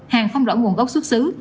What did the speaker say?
hàng không rõ nguồn gốc xuất xứ